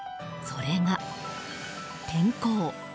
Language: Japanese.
それが、天候。